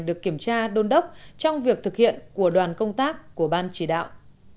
được kiểm tra đôn đốc trong việc thực hiện của đoàn công tác của ban chỉ đạo